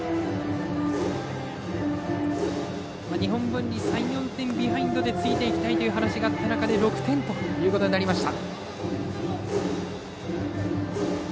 日本文理、３４点ビハインドでついていきたいという話があった中で６点ということになりました。